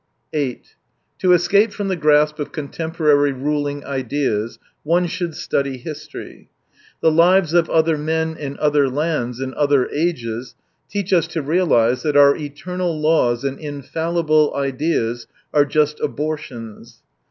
8 To escape from the grasp of contemporary ruling ideas, one should study history. The lives of other men in other lands in other ages teach us to realise that our "eternal laws " and infallible ideas are just abortions.